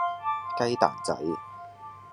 雞蛋仔